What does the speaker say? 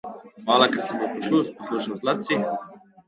Hvala, ker si me poslušal. Zlat si.